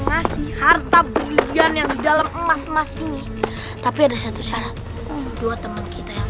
ngasih harta berlimpian yang di dalam emas emas ini tapi ada satu syarat dua teman kita yang